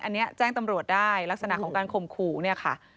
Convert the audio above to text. อันนี้แจ้งตำรวจได้ลักษณะของการข่มขู่เนี่ยค่ะ